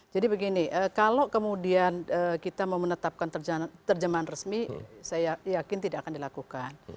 jadi begini kalau kemudian kita mau menetapkan terjemahan resmi saya yakin tidak akan dilakukan